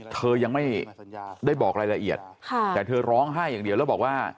เธอยังไม่ได้บอกรายละเอียดแต่เธอร้องไห้อย่างเดียวแล้วบอกว่า